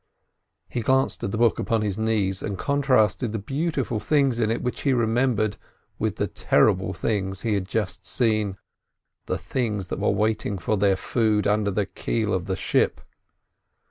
He glanced at the book upon his knees, and contrasted the beautiful things in it which he remembered with the terrible things he had just seen, the things that were waiting for their food under the keel of the ship.